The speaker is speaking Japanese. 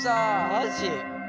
マジ？